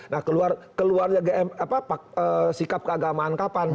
nah keluarnya sikap keagamaan kapan